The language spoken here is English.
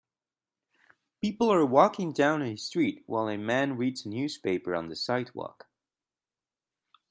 People are walking down a street while a man reads a newspaper on the sidewalk.